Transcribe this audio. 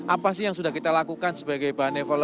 apa sih yang sudah kita lakukan sebagai perusahaan transportasi